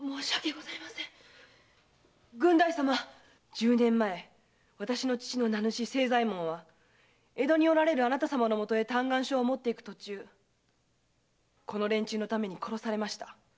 十年前私の父の名主・清左衛門は江戸におられるあなたさまの許へ嘆願書を持っていく途中この連中のために殺されました。